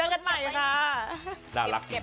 ขอบคุณครับ